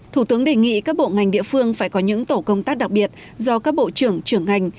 thủ tướng đề nghị các bộ ngành địa phương phải có những tổ công tác đặc biệt do các bộ trưởng trưởng ngành